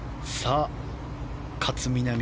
勝みなみ